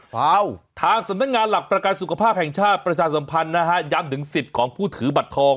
ว้าวทางสำนักงานหลักประกันสุขภาพแห่งชาติประชาสัมพันธ์นะฮะย้ำถึงสิทธิ์ของผู้ถือบัตรทอง